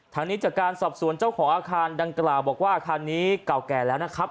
ทางนี้จากการสอบสวนเจ้าของอาคารดังกล่าวบอกว่าอาคารนี้เก่าแก่แล้วนะครับ